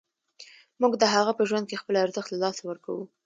موږ د هغه په ژوند کې خپل ارزښت له لاسه ورکوو.